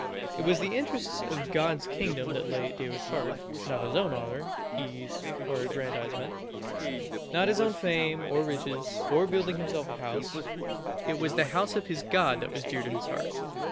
It was the interests of God's kingdom that lay at David's heart not his own honor, ease, or aggrandizement not his own fame or riches, or building himself a house it was the house of his God that was dear to his heart.